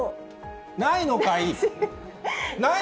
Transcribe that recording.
ないのかい！